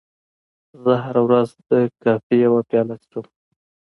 زه هره ورځ د کافي یوه پیاله څښم.